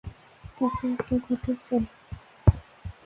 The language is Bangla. কিছু একটা ঘটেছে?